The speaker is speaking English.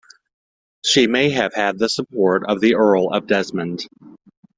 She may have had the support of the Earl of Desmond.